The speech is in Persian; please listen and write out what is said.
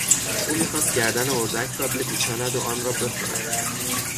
او میخواست گردن اردک را بپیچاند و آن را بخورد.